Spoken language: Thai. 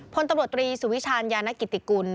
พลตำรวจตรีสุวิชาญยานกิติกุล